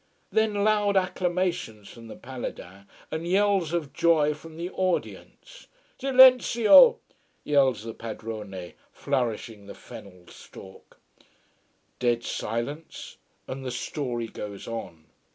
Then loud acclamations from the Paladins, and yells of joy from the audience. "Silenzio!" yells the padrone, flourishing the fennel stalk. Dead silence, and the story goes on.